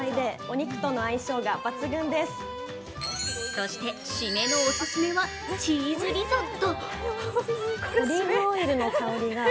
そして締めのオススメはチーズリゾット。